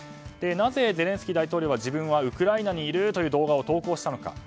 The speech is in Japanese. なぜゼレンスキー大統領は自分はウクライナにいるという動画を投稿したのか。